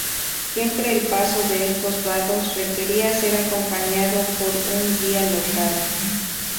Siempre el paso de estos vados requería ser acompañado por un guía local.